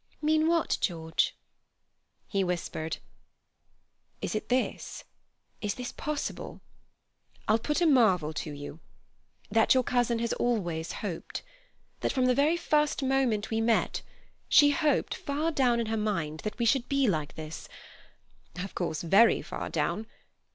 "Mean what, George?" He whispered: "Is it this? Is this possible? I'll put a marvel to you. That your cousin has always hoped. That from the very first moment we met, she hoped, far down in her mind, that we should be like this—of course, very far down.